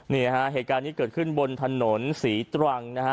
นี่ฮะเหตุการณ์นี้เกิดขึ้นบนถนนศรีตรังนะฮะ